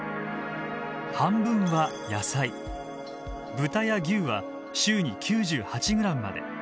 豚や牛は週に９８ｇまで。